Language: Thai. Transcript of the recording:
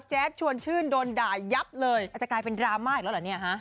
ชวนชื่นโดนด่ายับเลยอาจจะกลายเป็นดราม่าอีกแล้วเหรอเนี่ยฮะ